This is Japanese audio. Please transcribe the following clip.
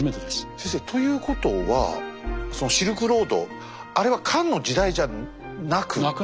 先生ということはそのシルクロードあれは漢の時代じゃなく。